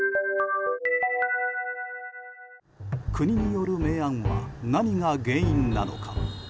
国による明暗は何が原因なのか。